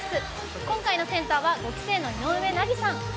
今回のセンターは５期生の井上和さん。